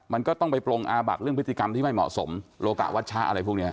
มันก็ต้องไปปรงอาบัติเรื่องพฤติกรรมที่ไม่เหมาะสมโลกะวัชชะอะไรพวกนี้